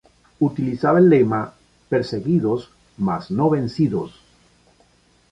Utilizaba el lema ≪perseguidos, mas no vencidos≫.